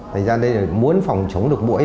nên muốn phòng chống được mũi